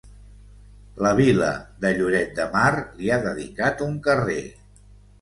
La Vila de Lloret de Mar li ha dedicat un carrer.